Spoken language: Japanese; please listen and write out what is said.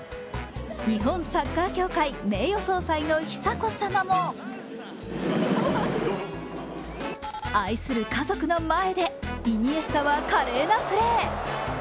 日本サッカー協会名誉総裁の久子さまも愛する家族の前でイニエスタは華麗なプレー。